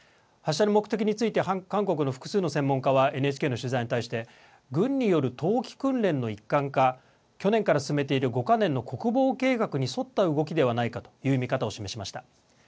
発射の目的について韓国の複数の専門家はＮＨＫの取材に対して軍による冬期訓練の一環か去年から進めている５か年の国防計画に沿った動きではないかという見方を示しました。